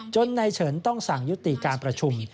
จนในเฉินต้องสั่งยุติการประชุม